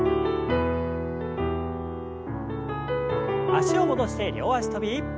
脚を戻して両脚跳び。